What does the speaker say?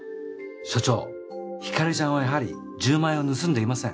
署長ひかりちゃんはやはり１０万円を盗んでいません。